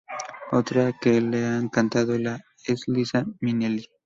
Otra que la ha cantado es Liza Minnelli.